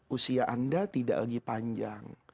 usia anda tidak lagi panjang